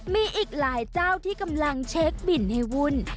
มีอีกหลายเจ้าที่กำลังเช็คบินให้วุ่น